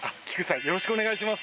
よろしくお願いします。